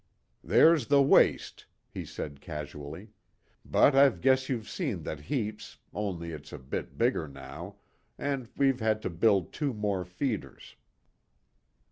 "There's the 'waste,'" he said casually. "But I guess you've seen that heaps, only it's a bit bigger now, and we've had to build two more 'feeders.'"